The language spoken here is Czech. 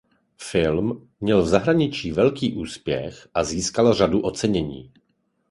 Film měl v zahraničí velký úspěch a získal řadu ocenění.